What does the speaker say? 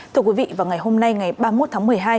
thưa quý vị vào ngày hôm nay ngày ba mươi một tháng một mươi hai